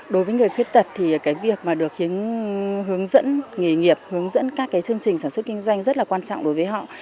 đối với người khuyết tật thì cái việc mà được hướng dẫn nghề nghiệp hướng dẫn các cái chương trình sản xuất kinh doanh rất là quan trọng đối với họ